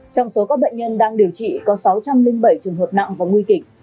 trong số các bệnh nhân đang điều trị có sáu trăm linh bảy trường hợp nặng và nguy kịch